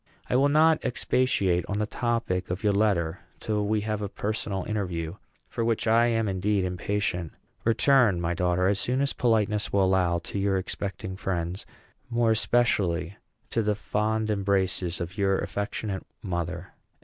I will not expatiate on the topic of your letter till we have a personal interview, for which I am indeed impatient. Return, my daughter, as soon as politeness will allow, to your expecting friends; more especially to the fond embraces of your affectionate mother.